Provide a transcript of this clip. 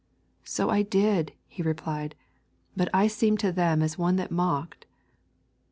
'So I did,' he replied, 'but I seemed to them as one that mocked.'